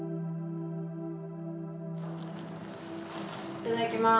いただきます。